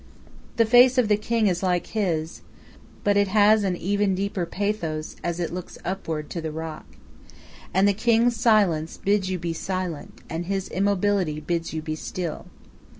The face of the king is like his, but it has an even deeper pathos as it looks upward to the rock. And the king's silence bids you be silent, and his immobility bids you be still.